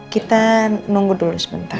kita nunggu dulu sebentar